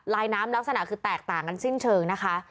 น้ำลักษณะคือแตกต่างกันสิ้นเชิงนะคะ